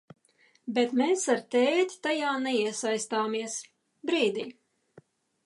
Bet mēs ar tēti tajā neiesaistāmies. Brīdī.